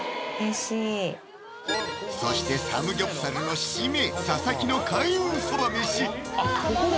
そしてサムギョプサルのシメ佐々木の開運そばめしあっ